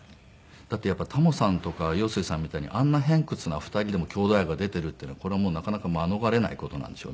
だってやっぱりタモさんとか陽水さんみたいにあんな偏屈な２人でも郷土愛が出ているっていうのはこれはなかなか免れない事なんでしょうね